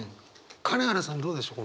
金原さんどうでしょう？